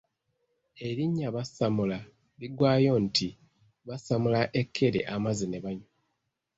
Erinnya Basammula liggwaayo nti Basammula ekkere amazzi ne banywa